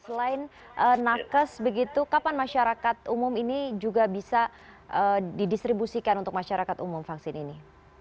selain nakes begitu kapan masyarakat umum ini juga bisa didistribusikan untuk masyarakat umum vaksin ini